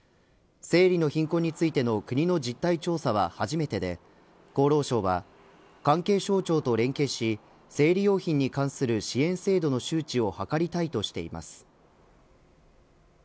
生理の貧困についての国の実態調査は初めてで厚労省は関係省庁と連携し生理用品に関する支援制度の周知を図りたいとしています。